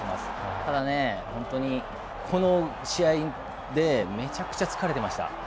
ただね、本当にこの試合でめちゃくちゃ疲れてました。